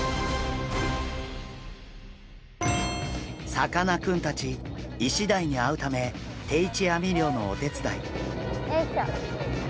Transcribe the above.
さかなクンたちイシダイに会うため定置網漁のお手伝い。